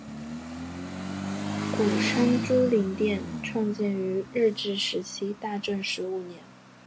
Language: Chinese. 鼓山珠灵殿创建于日治时期大正十五年。